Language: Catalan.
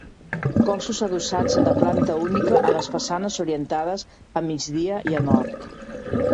Cossos adossats de planta única a les façanes orientades a migdia i a nord.